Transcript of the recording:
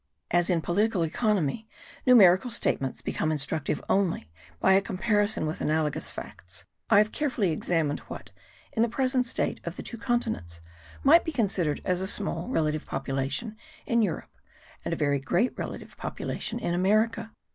As in political economy numerical statements become instructive only by a comparison with analogous facts I have carefully examined what, in the present state of the two continents, might be considered as a small relative population in Europe, and a very great relative population in America.